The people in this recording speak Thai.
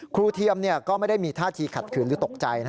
เทียมก็ไม่ได้มีท่าทีขัดขืนหรือตกใจ